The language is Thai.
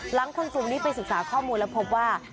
หลังความสุดที่ไปศึกษาข้อมูลแล้วพบว่า